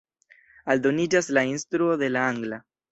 Aldoniĝas la instruo de la angla.